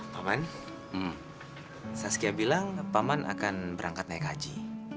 paman saskia bilang paman akan berangkat naik haji